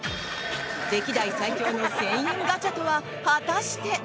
歴代最強の１０００円ガチャとは果たして。